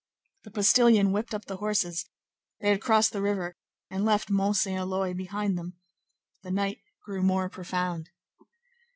The postilion whipped up the horses; they had crossed the river and left Mont Saint Éloy behind them. The night grew more profound.